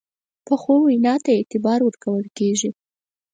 پخو وینا ته اعتبار ورکول کېږي